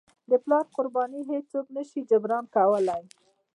د پلار قرباني هیڅوک نه شي جبران کولی.